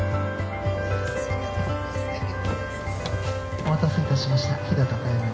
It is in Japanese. お待たせいたしました飛騨高山行き